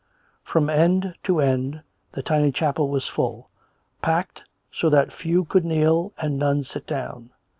From end to end the tiny chapel was full, packed so that few could kneel and none sit down.